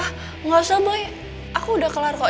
ah nggak usah boy aku udah kelar kok